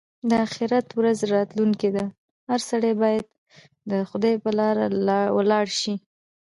د اخيرت ورځ راتلونکې ده؛ هر سړی باید د خدای پر لاره ولاړ شي.